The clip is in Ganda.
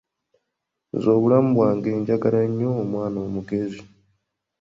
Nze obulamu bwange njagala nnyo omwana omugezi.